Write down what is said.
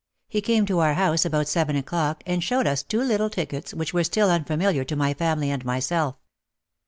He came to our house about seven o'clock and showed us two little tickets which were still unfamiliar to my family and myself.